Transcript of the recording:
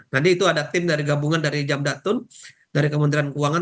nanti itu ada tim dari gabungan dari jamdatun dari kementerian keuangan